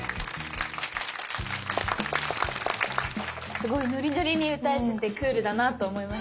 すごいノリノリに歌えててクールだなと思いました。